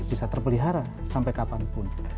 bisa terpelihara sampai kapanpun